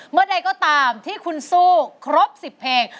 เมื่อใดก็ตามที่คุณสู้ครบ๑๐เพลง